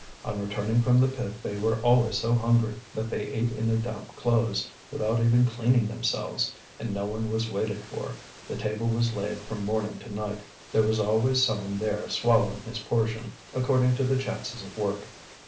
On returning from the pit they were always so hungry that they ate in their damp clothes, without even cleaning themselves; and no one was waited for, the table was laid from morning to night; there was always someone there swallowing his portion, according to the chances of work.